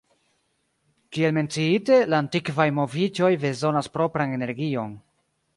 Kiel menciite, la aktivaj moviĝoj bezonas propran energion.